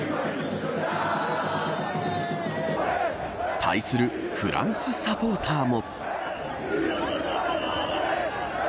対するフランスサポーターも。